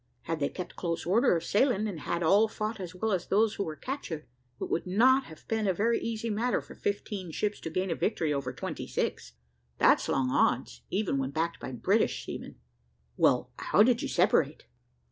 Had they kept close order of sailing, and had all fought as well as those who were captured, it would not have been a very easy matter for fifteen ships to gain a victory over twenty six. That's long odds, even when backed by British seamen." "Well, how did you separate?"